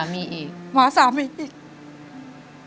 แล้วตอนนี้พี่พากลับไปในสามีออกจากโรงพยาบาลแล้วแล้วตอนนี้จะมาถ่ายรายการ